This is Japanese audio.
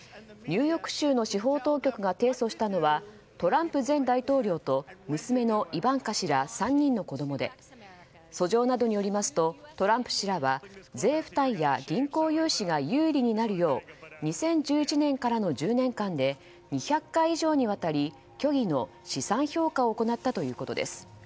ニューヨーク州の司法当局が提訴したのはトランプ前大統領と娘のイバンカ氏ら３人の子供で訴状などによりますとトランプ氏らは税負担や銀行融資が有利になるよう２０１１年からの１０年間で２００回以上にわたり虚偽の資産評価を行ったということです。